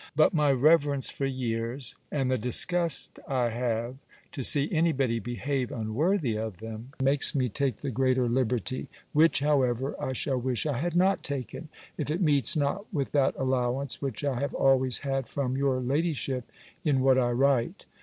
But my reverence for years, and the disgust I have to see anybody behave unworthy of them, makes me take the greater liberty: which, however, I shall wish I had not taken, if it meets not with that allowance, which I have always had from your ladyship in what I write.